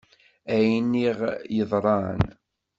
Ayen i ɣ-yeḍṛan.